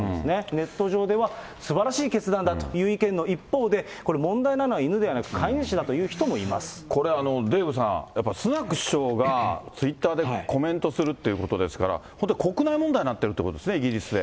ネット上では、すばらしい決断だという意見の一方で、これ問題なのは犬ではなく、これ、デーブさん、やっぱりスナク首相がツイッターでコメントするということですから、本当に国内問題になってるってことですね、イギリスで。